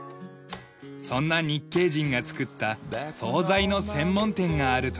そんな日系人が作った総菜の専門店があるという。